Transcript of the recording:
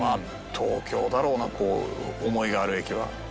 東京だろうなこう思いがある駅は。